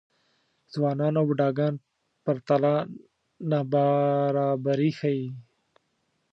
ځوانان او بوډاګان پرتله نابرابري ښيي.